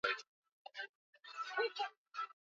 Unaweza kufika